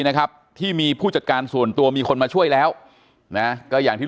นะครับที่มีผู้จัดการส่วนตัวมีคนมาช่วยแล้วนะก็อย่างที่